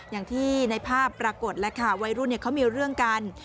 อย่างที่ในภาพปรากฏแล้วค่ะวัยรุ่นเขามีเรื่องกัน